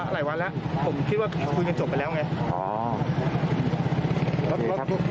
หลายวันแล้วผมคิดว่าคุยกันจบไปแล้วไง